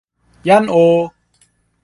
jan o!